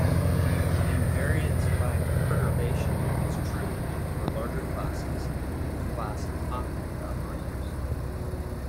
Invariance by perturbation is true for larger classes than the class of compact operators.